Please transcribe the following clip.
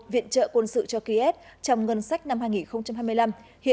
viện trợ quân sự cho kiev trong ngân sách năm hai nghìn hai mươi năm hiện đang được đàm phán